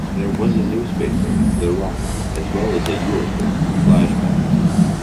There was a newspaper, "The Rock", as well as a yearbook, "Flashback".